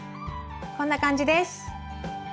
こんな感じです。